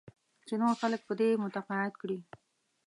چې نور خلک په دې متقاعد کړې.